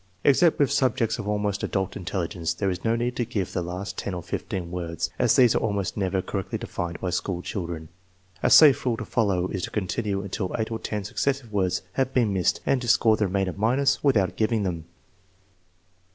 Except with sub jects of almost adult intelligence there is no need to give the last ten or fifteen words, as these are almost never cor rectly defined by school children. A safe rule to follow is to continue until eight or ten successive words have been missed and to score the remainder minus without giving them.